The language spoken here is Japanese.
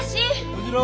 小次郎。